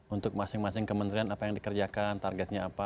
untuk masing masing kementerian apa yang dikerjakan targetnya apa